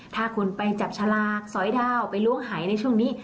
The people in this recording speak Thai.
ถ้าคุณไปจับฉลากสอยดาวไปล้วงหายในช่วงนี้